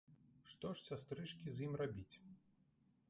Што ж, сястрычкі, з ім рабіць?